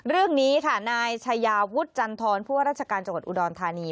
เรื่องนี้ค่ะนายชายาวุฒิจันทรผู้ว่าราชการจังหวัดอุดรธานี